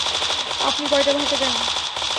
আপনি কয়টা ভাষা জানেন?